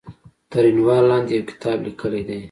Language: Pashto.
تر عنوان لاندې يو کتاب ليکلی دی